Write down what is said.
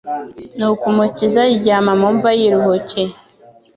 nuko Umukiza aryama mu mva, yiruhukiye.